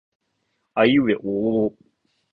あいうえおおお